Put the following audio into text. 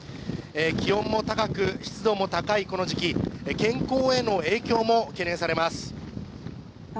気温も高く、湿度も高いこの時期健康への影響も懸念されます。